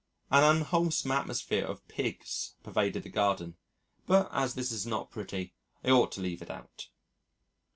An unwholesome atmosphere of pigs pervaded the garden, but as this is not pretty I ought to leave it out....